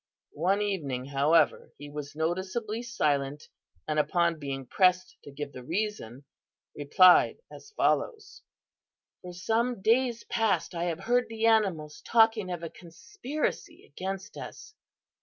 "One evening, however, he was noticeably silent and upon being pressed to give the reason, replied as follows: "'For some days past I have heard the animals talking of a conspiracy against us.